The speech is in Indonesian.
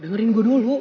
dengarin gue dulu